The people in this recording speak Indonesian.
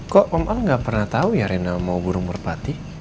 kok om al nggak pernah tahu ya rena mau burung merpati